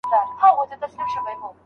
ایا د ساینس په څانګه کي څېړنه توپیر لري؟